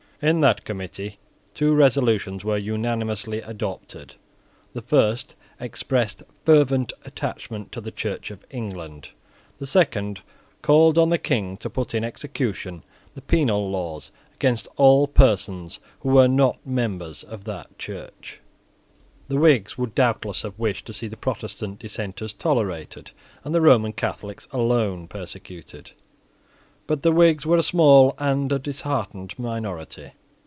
In that Committee two resolutions were unanimously adopted. The first expressed fervent attachment to the Church of England. The second called on the King to put in execution the penal laws against all persons who were not members of that Church. The Whigs would doubtless have wished to see the Protestant dissenters tolerated, and the Roman Catholics alone persecuted. But the Whigs were a small and a disheartened minority.